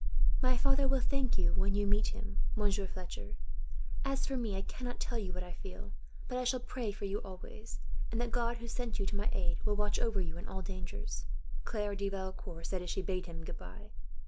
"My father will thank you, when you meet him, Monsieur Fletcher. As for me, I cannot tell you what I feel, but I shall pray for you always; and that God, who sent you to my aid, will watch over you in all dangers," Claire de Valecourt had said, as she bade him goodbye.